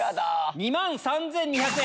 ２万３２００円。